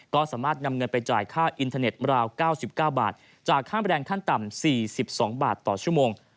ก็สามารถนำเงินไปจ่ายค่าอินเทอร์เน็ตราว๙๙บาทจากค่าแรงขั้นต่ำ๔๒บาทต่อชั่วโมง